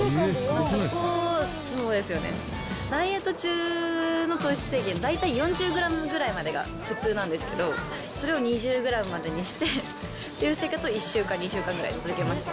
そこ、そうですよね、ダイエット中の糖質制限、大体４０グラムぐらいまでが普通なんですけど、それを２０グラムまでにしてっていう生活を１週間から２週間ぐらい続けました。